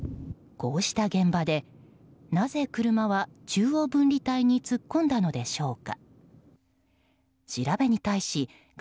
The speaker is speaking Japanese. こうした現場でなぜ車は中央分離帯に突っ込んだのでしょうか。